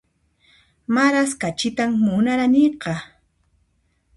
Maras kachitan munaraniqa